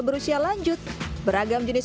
berusia lanjut beragam jenis